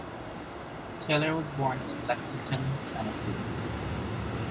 Taylor was born in Lexington, Tennessee.